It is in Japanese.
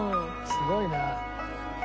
すごいな。